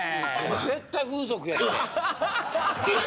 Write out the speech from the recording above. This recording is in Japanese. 絶対風俗やで。